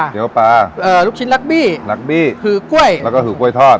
เดี๋ยวปลาเอ่อลูกชิ้นลักบี้ลักบี้คือกล้วยแล้วก็คือกล้วยทอด